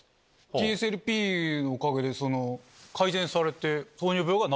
ＴＳＬＰのおかげで改善されて。